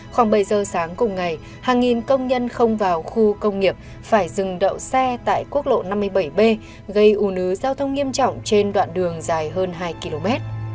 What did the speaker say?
khoảng bảy giờ sáng cùng ngày hàng nghìn công nhân không vào khu công nghiệp phải dừng đậu xe tại quốc lộ năm mươi bảy b gây ủ nứ giao thông nghiêm trọng trên đoạn đường dài hơn hai km